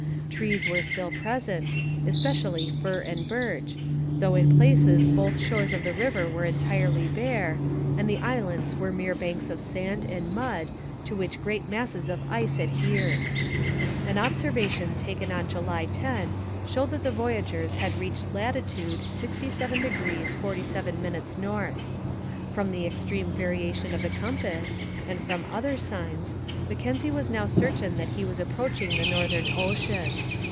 Trees were still present, especially fir and birch, though in places both shores of the river were entirely bare, and the islands were mere banks of sand and mud to which great masses of ice adhered. An observation taken on July 10 showed that the voyageurs had reached latitude 67° 47' north. From the extreme variation of the compass, and from other signs, Mackenzie was now certain that he was approaching the northern ocean.